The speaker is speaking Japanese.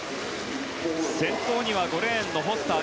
先頭には５レーンのフォスター。